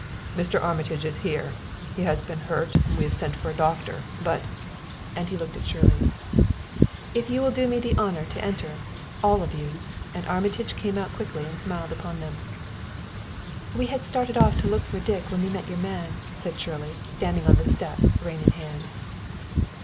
"Mr. Armitage is here. He has been hurt and we have sent for a doctor; but" and he looked at Shirley. "If you will do me the honor to enter all of you!" and Armitage came out quickly and smiled upon them. "We had started off to look for Dick when we met your man," said Shirley, standing on the steps, rein in hand.